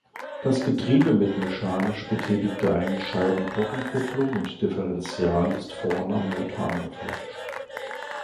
Das Getriebe mit mechanisch betätigter Einscheibentrockenkupplung und Differenzial ist vorn am Motor angeflanscht.